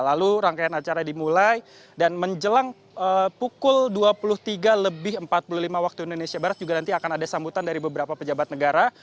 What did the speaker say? lalu rangkaian acara dimulai dan menjelang pukul dua puluh tiga lebih empat puluh lima waktu indonesia barat juga nanti akan ada sambutan dari beberapa pejabat negara